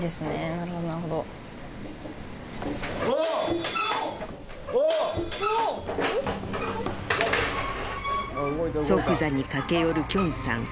なるほどなるほどああっ即座に駆け寄るきょんさん